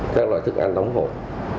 các loại thức ăn đóng hộp